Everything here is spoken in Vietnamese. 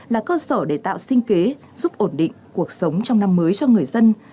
là cơ sở để tạo sinh kế giúp ổn định cuộc sống trong năm mới cho người dân